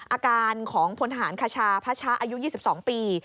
อาการของพลทหารคชาพระชะอายุ๒๒ปี